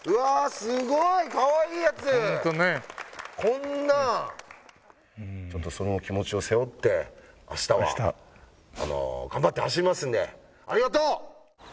すごいかわいいやつホントねこんなその気持ちを背負って明日は頑張って走りますんでありがとう！